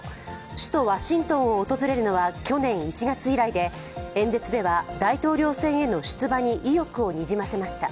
首都ワシントンを訪れるのは去年１月以来で演説では大統領選への出馬に意欲をにじませました。